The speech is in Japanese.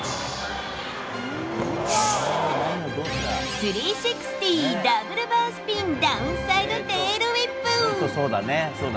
３６０ダブルバースピンダウンサイドテールウィップ。